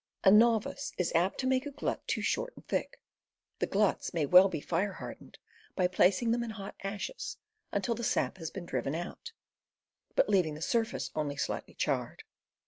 A novice is apt to make a glut too short and thick. The gluts may well be fire hardened, by placing them in hot ashes until the sap has been driven out, but leaving the surface only slightly charred.